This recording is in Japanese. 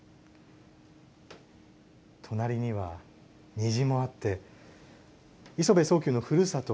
隣には、虹もあって礒部草丘のふるさと